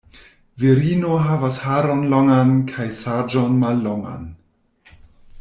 Virino havas haron longan kaj saĝon mallongan.